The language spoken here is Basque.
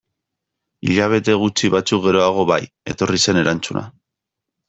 Hilabete gutxi batzuk geroago bai, etorri zen erantzuna.